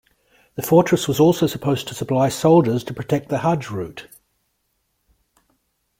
The fortress was also supposed to supply soldiers to protect the hajj route.